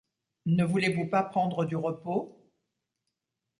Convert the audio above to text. Ne voulez-vous pas prendre du repos ?…